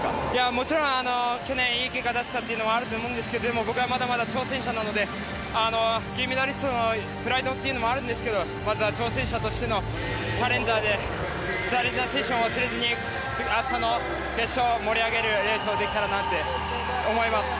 もちろん去年いい結果を出せたというのはあると思うんですけどでも僕は、まだまだ挑戦者なので銀メダリストのプライドもあるんですが挑戦者としてのチャレンジャー精神を忘れずに明日の決勝を盛り上げるレースができたらなと思います。